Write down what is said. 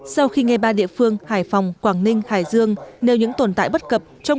sau khi nghe ba địa phương hải phòng quảng ninh hải dương nêu những tồn tại bất cập trong